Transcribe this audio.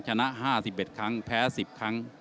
ชนะ๕๑ครั้งแพ้๑๐ครั้ง